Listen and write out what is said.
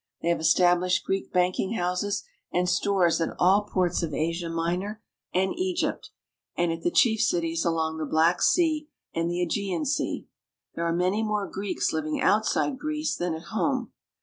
They have established Greek banking houses and stores at all ports of Asia Minor and Egypt, and at the chief cities along the Black Sea and the ^Egean Sea. There are many more Greeks living outside Greece than at home.